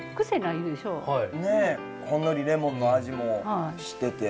ねえほんのりレモンの味もしてて。